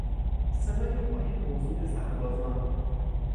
صدای پای موزون سربازان